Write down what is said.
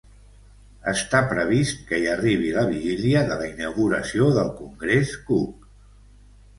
Està previst que hi arribi la vigília de la inauguració del Congrés Cook.